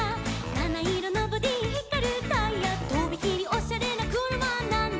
「なないろのボディひかるタイヤ」「とびきりオシャレなくるまなんだ」